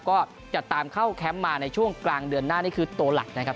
ก็จะตามเข้าแคมป์มาในช่วงกลางเดือนหน้านี่คือตัวหลักนะครับ